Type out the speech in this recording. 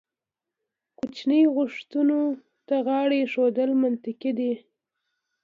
کوچنۍ غوښتنو ته غاړه ایښودل منطقي دي.